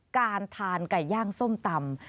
การทานไก่ย่างส้มตำ